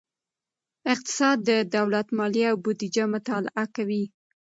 اقتصاد د دولت مالیې او بودیجه مطالعه کوي.